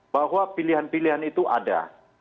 bahwa pilihan pilihan itu ada